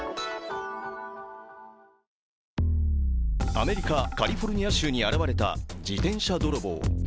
アメリカ・カリフォルニア州に現れた自転車泥棒。